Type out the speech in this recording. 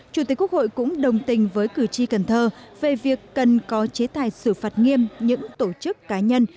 chủ tịch quốc hội cũng đồng tình với cử tri cần thơ về việc cần có chế tài xử phạt nghiêm những tổ chức cá nhân